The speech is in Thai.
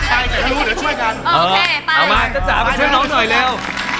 เอามาจ้ามาช่วยเนอะหน่อยเร็ว